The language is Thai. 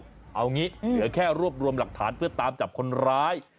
เอางี้เหลือแค่รวบรวมหลักฐานเพื่อตามจับคนร้าย